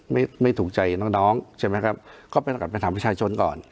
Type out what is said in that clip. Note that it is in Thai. ไม่ไม่ถูกใจน้องน้องใช่ไหมครับก็ไปกลับไปถามประชาชนก่อน